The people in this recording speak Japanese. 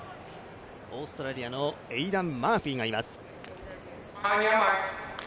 オーストラリアのエイダン・マーフィーがいます。